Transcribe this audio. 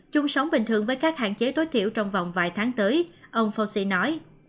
chung sống bình thường với các hạn chế tối thiểu trong vòng vài tháng tới ông foci nói